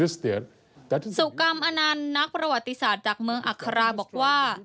สุกรรมอนันต์นักประวัติศาสตร์จากเมืองอัคราบอกว่า